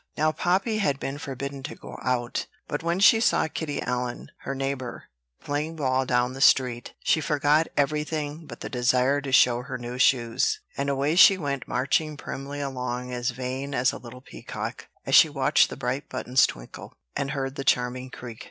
Now Poppy had been forbidden to go out; but, when she saw Kitty Allen, her neighbor, playing ball down the street, she forgot every thing but the desire to show her new shoes; and away she went marching primly along as vain as a little peacock, as she watched the bright buttons twinkle, and heard the charming creak.